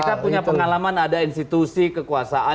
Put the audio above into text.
kita punya pengalaman ada institusi kekuasaan